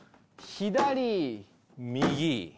左右。